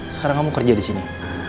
sekarang kamu kerja disini